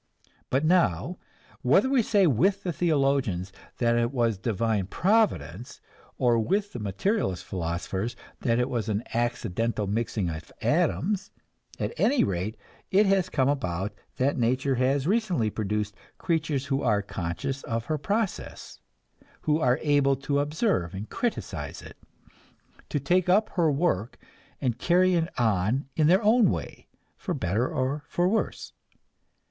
But now whether we say with the theologians that it was divine providence, or with the materialist philosophers that it was an accidental mixing of atoms at any rate it has come about that nature has recently produced creatures who are conscious of her process, who are able to observe and criticize it, to take up her work and carry it on in their own way, for better or for worse.